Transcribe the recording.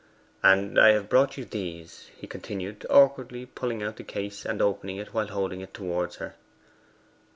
'And I have brought you these,' he continued, awkwardly pulling out the case, and opening it while holding it towards her.